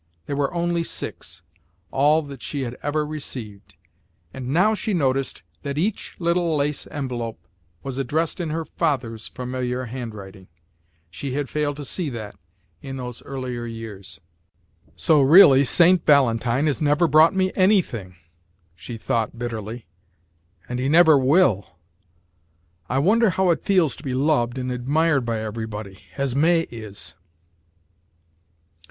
There were only six all that she had ever received; and now she noticed that each little lace envelope was addressed in her father's familiar handwriting. She had failed to see that in those earlier years. "So, really, St. Valentine has never brought me anything," she thought, bitterly, "and he never will! I wonder how it feels to be loved and admired by everybody, as May is!"